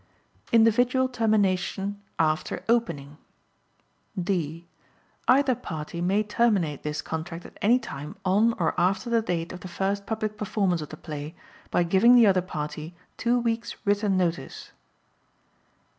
Individual Termination After Opening D. Either party may terminate this contract at any time on or after the date of the first public performance of the play by giving the other party two weeks' written notice.